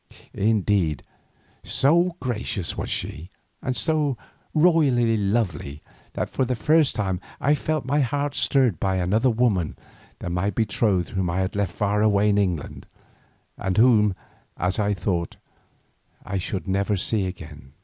Indeed, so gracious was she, and so royally lovely, that for the first time I felt my heart stirred by any other woman than my betrothed whom I had left far away in England, and whom, as I thought, I should never see again.